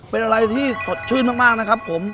เป็นอะไรที่สดชื่นมากนะครับผม